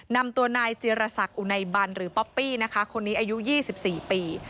นำตัวนายจีรศักดิ์อุไนบันหรือป๊อปปี้นะคะคนนี้อายุ๒๔ปี